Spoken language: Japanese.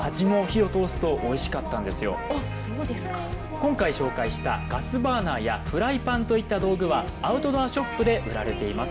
今回紹介したガスバーナーやフライパンといった道具はアウトドアショップで売られています。